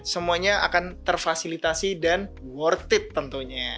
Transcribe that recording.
semuanya akan terfasilitasi dan worth it tentunya